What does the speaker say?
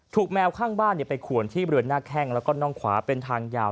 แมวข้างบ้านไปขวนที่บริเวณหน้าแข้งแล้วก็น่องขวาเป็นทางยาว